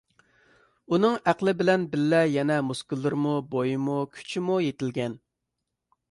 ئۇنىڭ ئەقلى بىلەن بىللە يەنە مۇسكۇللىرىمۇ، بويىمۇ، كۈچىمۇ يېتىلگەن.